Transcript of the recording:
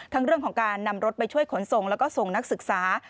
เรื่องของการนำรถไปช่วยขนส่งแล้วก็ส่งนักศึกษา